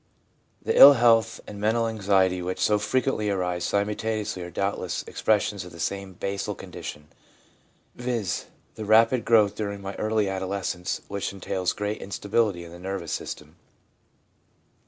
' The ill health and the mental anxiety which so frequently arise simultaneously are doubtless expres sions of the same basal condition, viz., the rapid growth during early adolescence, which entails great instability in the nervous system.